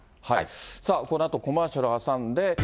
さあ、このあとコマーシャルを挟んで、